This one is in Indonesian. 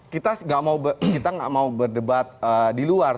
kita nggak mau berdebat di luar